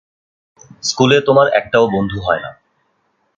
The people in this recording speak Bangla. স্কুলে তোমার একটাও বন্ধু হয় না।